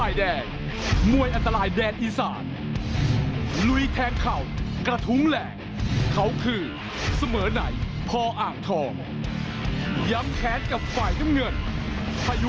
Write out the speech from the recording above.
อัดกระแทกหน้าเขาคือลมใต้ผู้ทานรีสอร์ท